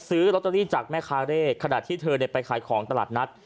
ซื้อลอตเตอรี่จากแม่ค้าเร่ขณะที่เธอไปขายของตลาดนัด